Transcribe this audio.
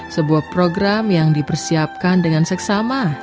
sebuah program yang dipersiapkan dengan seksama